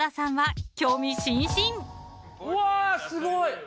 うわすごい！